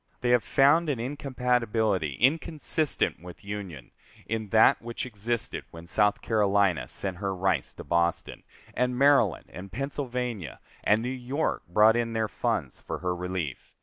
They have found an incompatibility inconsistent with union, in that which existed when South Carolina sent her rice to Boston, and Maryland and Pennsylvania and New York brought in their funds for her relief.